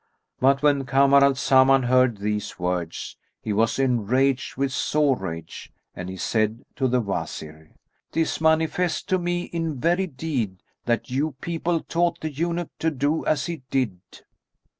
But when Kamar al Zaman heard these words, he was enraged with sore rage and he said to the Wazir, "'Tis manifest to me in very deed that you people taught the eunuch to do as he did."